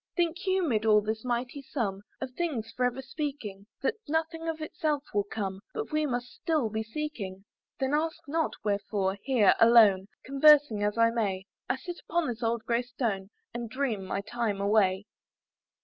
"Think you, mid all this mighty sum "Of things for ever speaking, "That nothing of itself will come, "But we must still be seeking? " Then ask not wherefore, here, alone, "Conversing as I may, "I sit upon this old grey stone, "And dream my time away."